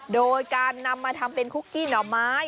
โดยการนำมาทำเป็นคุกกี้หน่อไม้